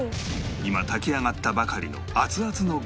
今炊き上がったばかりの熱々のご飯